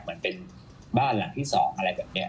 เหมือนเป็นบ้านหลังที่๒อะไรแบบนี้